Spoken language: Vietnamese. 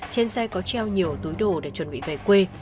trên xe có treo nhiều túi đồ để chuẩn bị về quê